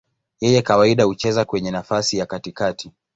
Yeye kawaida hucheza kwenye nafasi ya katikati.